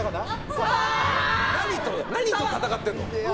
何と戦ってるの？